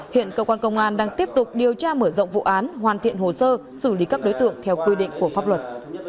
hiện cơ quan công an đang tiếp tục điều tra mở rộng vụ án hoàn thiện hồ sơ xử lý các đối tượng theo quy định của pháp luật